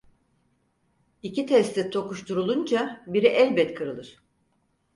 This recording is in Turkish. İki testi tokuşturulunca biri elbet kırılır.